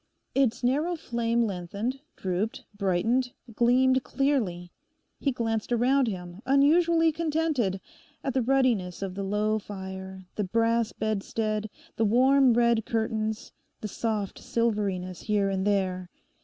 Its narrow flame lengthened, drooped, brightened, gleamed clearly. He glanced around him, unusually contented—at the ruddiness of the low fire, the brass bedstead, the warm red curtains, the soft silveriness here and there.